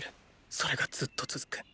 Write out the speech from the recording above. それがずっと続く。